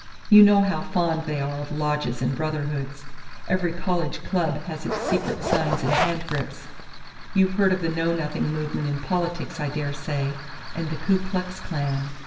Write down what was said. You know how fond they are of lodges and brotherhoods. Every college club has its secret signs and handgrips. You've heard of the Know Nothing movement in politics, I dare say, and the Ku Klux Klan.